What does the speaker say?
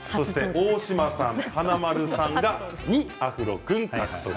大島さん、華丸さんが２アフロ君獲得。